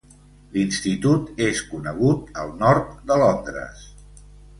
L'institut és conegut al Nord de Londres.